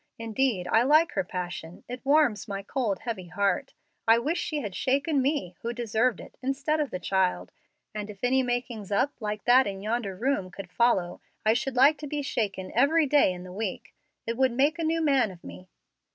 Indeed, I like her passion. It warms my cold, heavy heart. I wish she had shaken me, who deserved it, instead of the child, and if any makings up like that in yonder room could follow, I would like to be shaken every day in the week. It would make a new man of me."